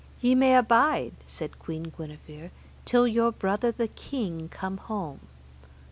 Ye may abide, said Queen Guenever, till your brother the king come home.